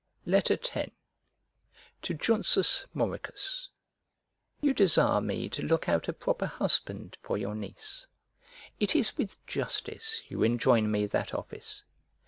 X To JUNSUS MAURICUS You desire me to look out a proper husband for your niece: it is with justice you enjoin me that office.